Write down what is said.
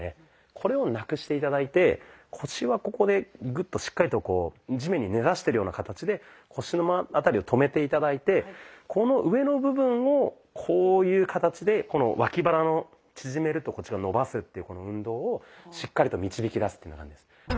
これをなくして頂いて腰はここでグッとしっかりと地面に根ざしてるような形で腰の辺りを止めて頂いてこの上の部分をこういう形でこの脇腹を縮めるとこっちが伸ばすっていう運動をしっかりと導き出すっていうふうな感じです。